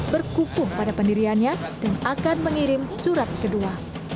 berkukuh pada pendiriannya dan akan mengirim surat kedua